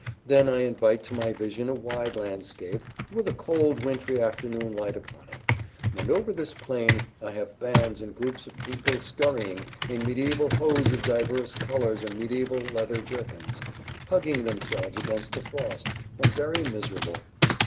Then I invite to my vision a wide landscape, with a cold, wintry afternoon light upon it, and over this plain I have bands and groups of people scurrying, in mediæval hose of divers colors and mediæval leathern jerkins, hugging themselves against the frost, and very miserable.